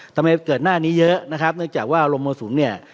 ทำไมเกิดหน้านี้เยอะนะครับเนื่องจากว่าลมมรสุมเนี่ย